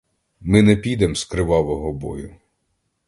Ми не підем з кривавого бою!